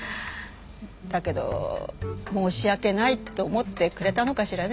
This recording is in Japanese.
だけど申し訳ないって思ってくれたのかしらね